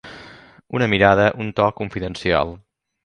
Una mirada, un to, confidencial.